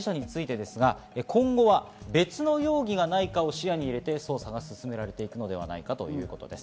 今後は別の容疑がないかを視野に入れて捜査が進められていくのではないかということです。